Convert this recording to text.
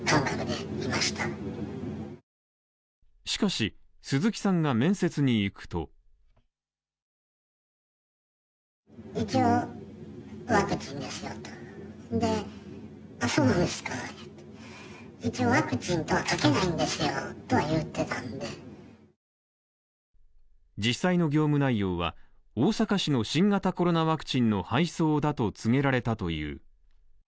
しかし、鈴木さんが面接に行くと実際の業務内容は、大阪市の新型コロナワクチンの配送だと告げられたという。